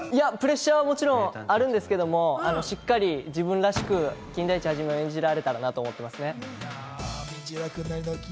プレッシャーはもちろんあるんですけど、しっかり自分らしく金田一一を演じられたらなと思っています。